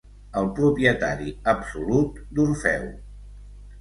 El propietari absolut d'Orfeu.